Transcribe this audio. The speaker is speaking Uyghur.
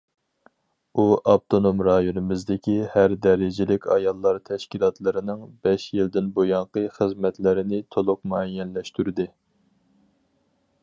ئۇ ئاپتونوم رايونىمىزدىكى ھەر دەرىجىلىك ئاياللار تەشكىلاتلىرىنىڭ بەش يىلدىن بۇيانقى خىزمەتلىرىنى تولۇق مۇئەييەنلەشتۈردى.